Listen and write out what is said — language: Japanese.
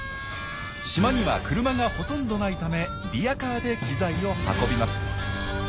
島には車がほとんどないためリヤカーで機材を運びます。